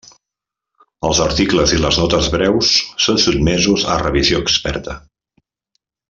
Els articles i les notes breus són sotmesos a revisió experta.